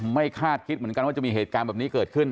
คาดคิดเหมือนกันว่าจะมีเหตุการณ์แบบนี้เกิดขึ้น